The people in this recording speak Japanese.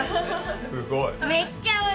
すごい。